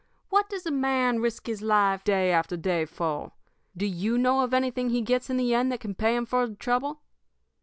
What does a man risk his life day after day for? Do you know of anything he gets in the end that can pay him for the trouble?